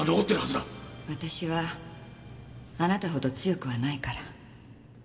私はあなたほど強くはないから。